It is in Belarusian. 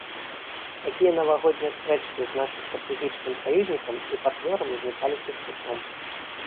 Такія навагоднія спрэчкі з нашым стратэгічным саюзнікам і партнёрам узнікалі часцяком.